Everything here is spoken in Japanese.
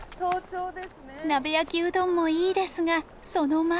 鍋焼きうどんもいいですがその前に。